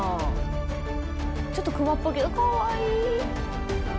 ちょっとクマっぽいけどかわいい。